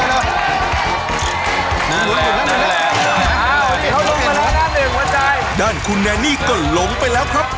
โชคความแม่นแทนนุ่มในศึกที่๒กันแล้วล่ะครับ